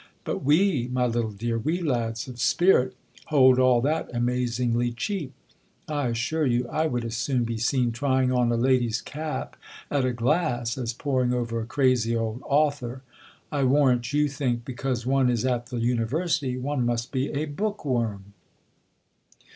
But we, my little dear, we lads of spirit, hold all that amazingly, cheap. I assure you, I would as soon be seen trying on a lady's cap at a glass, as poring over a crazy old author. I warrant you thinlc, because one is at the University, one must be a book worm